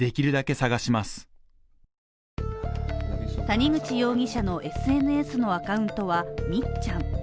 谷口容疑者のＳＮＳのアカウントはみっちゃん。